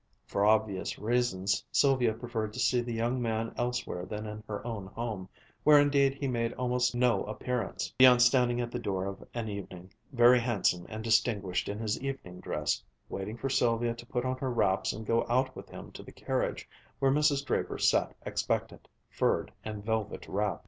For obvious reasons Sylvia preferred to see the young man elsewhere than in her own home, where indeed he made almost no appearance, beyond standing at the door of an evening, very handsome and distinguished in his evening dress, waiting for Sylvia to put on her wraps and go out with him to the carriage where Mrs. Draper sat expectant, furred and velvet wrapped.